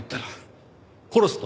殺すと？